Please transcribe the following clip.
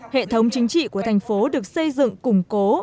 hệ thống chính trị của thành phố được xây dựng củng cố